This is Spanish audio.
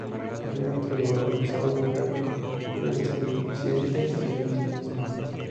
Posteriormente colaboró en "Sábado Gráfico", "Revista de Occidente" y Radio Nacional de España.